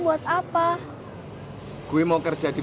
yang gak pana udah